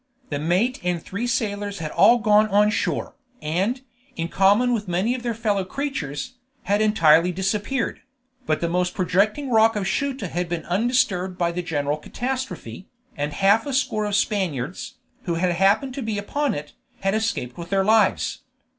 The mate and three sailors had all gone on shore, and, in common with many of their fellow creatures, had entirely disappeared; but the most projecting rock of Ceuta had been undisturbed by the general catastrophe, and half a score of Spaniards, who had happened to be upon it, had escaped with their lives.